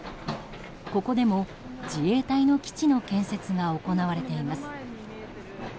ここでも、自衛隊の基地の建設が行われています。